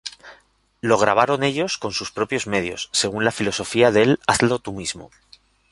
Lo grabaron ellos con sus propios medios, según la filosofía del "hazlo tú mismo".